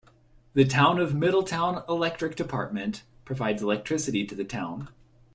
The Town of Middletown Electric Department provides electricity to the town.